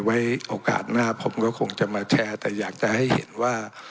โอกาสหน้าผมก็คงจะมาแชร์แต่อยากจะให้เห็นว่า